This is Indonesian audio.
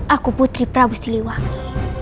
aku putri prabu siliwangi